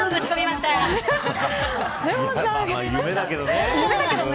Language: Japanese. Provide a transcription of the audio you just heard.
夢だけどね。